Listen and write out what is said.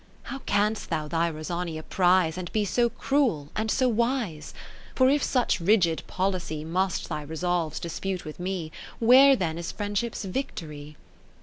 How canst thou thy Rosania prize, And be so cruel and so wise ? For if such rigid policy Must thy resolves dispute with me, ^\^here then is Friendship's victory